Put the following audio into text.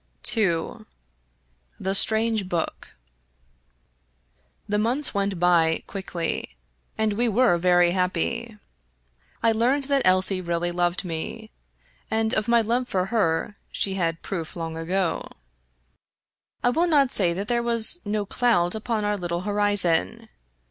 ' II THE STRANGE BOOK The months went by quickly, and we were very happy. I learned that Elsie really loved me, and of my love for her she had proof long ago. I will not say that there was no cloud upon our little horizon.